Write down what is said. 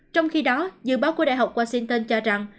trong khi đó dự báo của đại học washington cho rằng